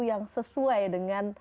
yang sesuai dengan